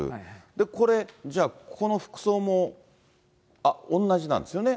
で、これ、じゃあこの服装も同じなんですよね。